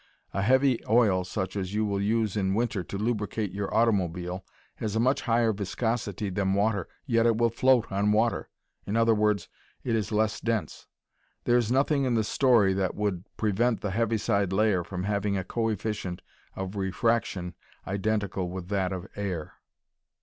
A heavy oil such as you use in the winter to lubricate your automobile has a much higher viscosity than water, yet it will float on water, i. e. it is less dense. There is nothing in the story that would prevent the heaviside layer from having a coefficient of refraction identical with that of air.